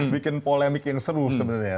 bikin polemik yang seru sebenarnya